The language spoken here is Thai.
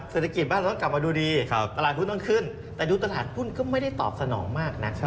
เศรษฐกิจบ้านเราต้องกลับมาดูดีตลาดหุ้นต้องขึ้นแต่ดูตลาดหุ้นก็ไม่ได้ตอบสนองมากนัก